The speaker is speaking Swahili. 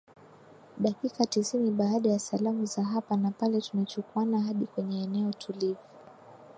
dakika tisini Baada ya salamu za hapa na pale tunachukuana hadi kwenye eneo tulivu